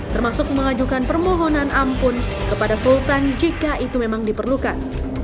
termasuk mengajukan permohonan ampun kepada sultan jika itu memang diperlukan